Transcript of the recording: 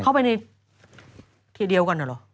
เข้าไปในทีเดียวกันเหรอ